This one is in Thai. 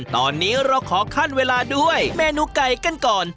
ตอนนี้เราขอขั้นเวลาด้วยเมนูไก่กันก่อน